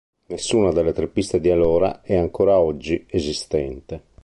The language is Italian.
Nessuna delle tre piste di allora è ancora oggi esistente.